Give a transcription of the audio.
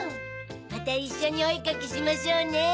またいっしょにおえかきしましょうね。